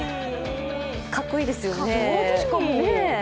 かっこいいですよね。